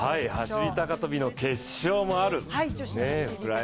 走高跳の決勝もある。